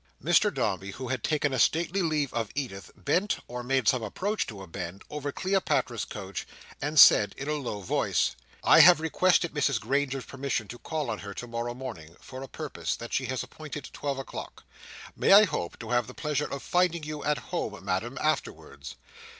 Mr Dombey, who had taken a stately leave of Edith, bent, or made some approach to a bend, over Cleopatra's couch, and said, in a low voice: "I have requested Mrs Granger's permission to call on her to morrow morning—for a purpose—and she has appointed twelve o'clock. May I hope to have the pleasure of finding you at home, Madam, afterwards?"